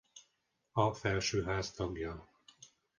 A Felsőház tagja.